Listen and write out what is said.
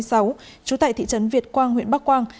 trú tại thị trấn việt quang huyện bắc quang